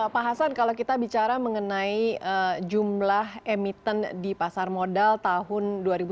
pak hasan kalau kita bicara mengenai jumlah emiten di pasar modal tahun dua ribu dua puluh